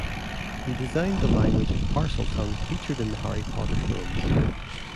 He designed the language of Parseltongue featured in the Harry Potter films.